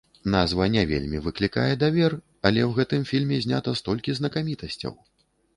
Назва не вельмі выклікае давер, але ў гэтым фільме занята столькі знакамітасцяў!